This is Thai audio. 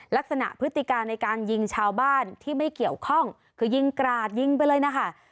พฤติการในการยิงชาวบ้านที่ไม่เกี่ยวข้องคือยิงกราดยิงไปเลยนะคะ